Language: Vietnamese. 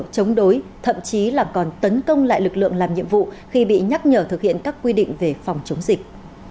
chống đối thậm chí là còn tấn công lại lực lượng làm nhiệm vụ khi bị nhắc nhở thực hiện các quy định về phòng chống dịch